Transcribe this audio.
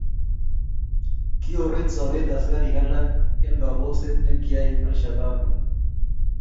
kiobet sobeet askarrik alak eng kabokset ni kyay al-shabaab